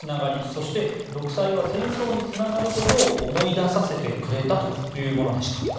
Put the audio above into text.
そして、独裁は戦争につながることを思い出させてくれたというものでした。